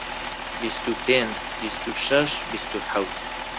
بیست و پێنج، بیست و شەش، بیست و حەوت